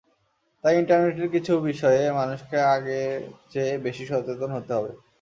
তাই ইন্টারনেটের কিছু বিষয়ে মানুষকে আগের চেয়ে বেশি সচেতন হতে হবে।